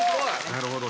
なるほど。